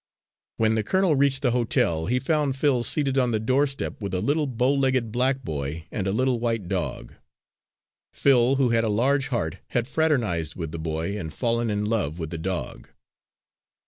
When the colonel reached the hotel, he found Phil seated on the doorstep with a little bow legged black boy and a little white dog. Phil, who had a large heart, had fraternised with the boy and fallen in love with the dog.